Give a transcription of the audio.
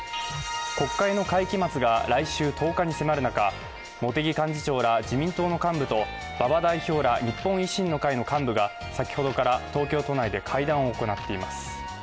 国会の会期末が来週１０日に迫る中、茂木幹事長ら自民党の幹部と馬場代表ら日本維新の会の幹部が先ほどから東京都内で会談を行っています。